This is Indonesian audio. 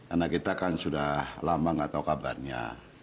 anak kita kan sudah lama nggak tahu kabarnya